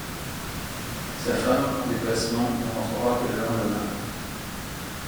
Sa femme, en déplacement, ne rentrera que le lendemain.